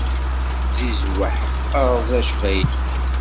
Zizweḥ, eṛẓ acbayli!